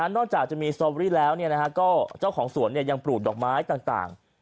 นอกจากจะมีสตอรี่แล้วก็เจ้าของสวนยังปลูกดอกไม้ต่าง